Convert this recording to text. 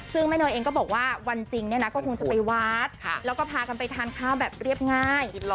ซึ่งแม่เนยเองก็บอกว่าวันจริงเนี่ยนะก็คงจะไปวัดแล้วก็พากันไปทานข้าวแบบเรียบง่าย